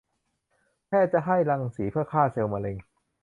แพทย์จะให้รังสีเพื่อฆ่าเซลล์มะเร็ง